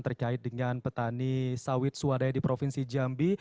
terkait dengan petani sawit swadaya di provinsi jambi